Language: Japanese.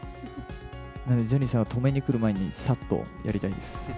なので、ジャニーさんが止めに来る前に、さっとやりたいです。